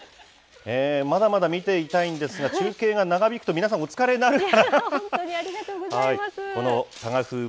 まだまだ見ていたいんですが、中継が長引くと皆さん、お疲れにな